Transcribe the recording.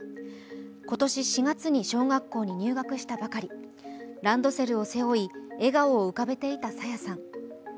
今年４月に小学校に入学したばかりランドセルを背負い、笑顔を浮かべていた朝芽さん。